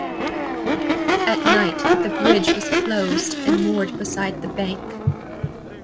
At night the bridge was closed and moored beside the bank.